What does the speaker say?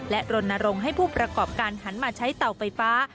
และรณรงค์ให้ผู้ประกอบการหันมาใช้เตาไฟฟ้า